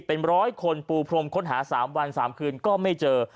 เป็นร้อยคนปูพรมค้นหา๓วัน๓คืนก็ไม่เจอ